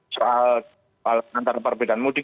soal antara perbedaan mudik